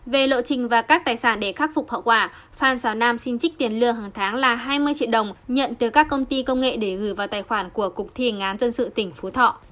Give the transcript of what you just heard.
về lộ trình và các tài sản để khắc phục hậu quả phan xào nam xin trích tiền lừa hàng tháng là hai mươi triệu đồng nhận từ các công ty công nghệ để gửi vào tài khoản của cục thi hành án dân sự tỉnh phú thọ